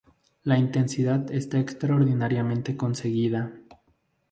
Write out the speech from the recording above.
La intensidad está extraordinariamente conseguida.